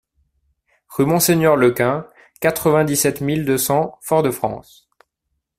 Rue Monseigneur Lequin, quatre-vingt-dix-sept mille deux cents Fort-de-France